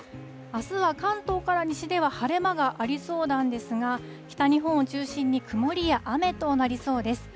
あすは関東から西では晴れ間がありそうなんですが、北日本を中心に、曇りや雨となりそうです。